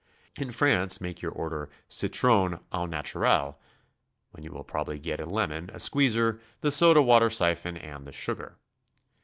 In France make your order "citron au naturel," when you will probably get a lemon, a squeezer, the soda water siphon, and the sugar.